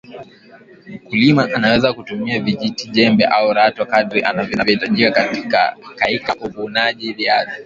mkulima anaweza kutumia vijiti jembe au rato kadri vinavyohitajika kaika uvunaji viazi